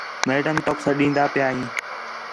میڈم توک سڈینا پیا ہے